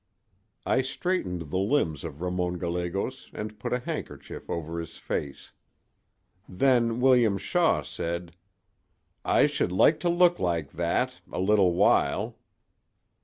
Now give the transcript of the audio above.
"I straightened the limbs of Ramon Gallegos and put a handkerchief over his face. Then William Shaw said: 'I should like to look like that—a little while.